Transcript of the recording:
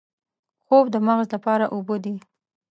خوب د مغز لپاره اوبه دي